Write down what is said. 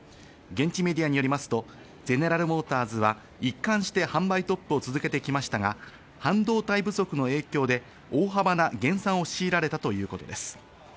現地メディアよりますとゼネラル・モーターズは一貫して販売トップを続けてきましたが、半導体不足の影響で大幅な減産を強いられたということです。